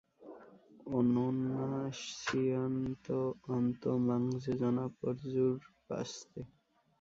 অনন্যাশ্চিন্তয়ন্তো মাং যে জনা পযুর্পাসতে।